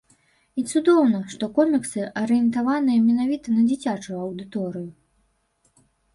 І цудоўна, што коміксы арыентаваныя менавіта на дзіцячую аўдыторыю.